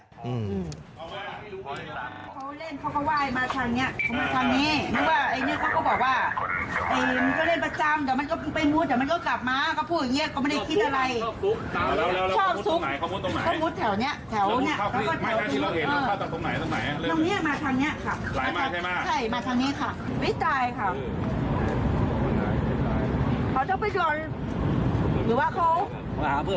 เขาเล่นเขาก็ว่ามาทางนี้เขาว่าทางนี้